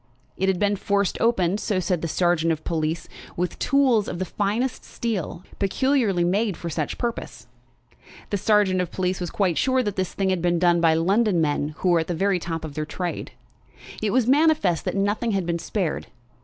It had been forced open, so said the sergeant of police, with tools of the finest steel, peculiarly made for such purpose. The sergeant of police was quite sure that the thing had been done by London men who were at the very top of their trade. It was manifest that nothing had been spared.